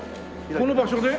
この場所です。